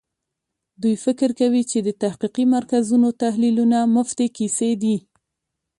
دوی فکر کوي چې د تحقیقي مرکزونو تحلیلونه مفتې کیسې دي.